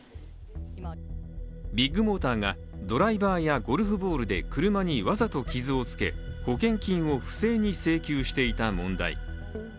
ビッグモーターがドライバーやゴルフボールで車にわざと傷をつけ、保険金を不正に請求していた問題。